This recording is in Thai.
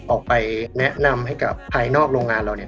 ออกไปแนะนำให้กับภายนอกโรงงานเราเนี่ย